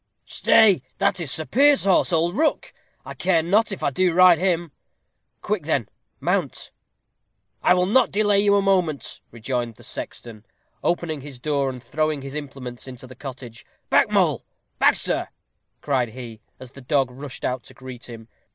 "Stay; that is Sir Piers's horse, old Rook. I care not if I do ride him." "Quick, then; mount." "I will not delay you a moment," rejoined the sexton, opening his door, and throwing his implements into the cottage. "Back, Mole; back, sir," cried he, as the dog rushed out to greet him.